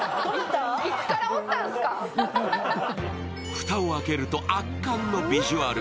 蓋を開けると圧巻のビジュアル。